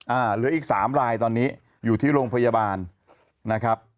อ่าเรียกอีก๓ลายตอนนี้อยู่ที่โรงพยาบาลนะครับ